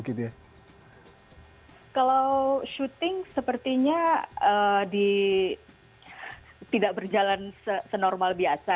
kalau syuting sepertinya tidak berjalan senormal biasa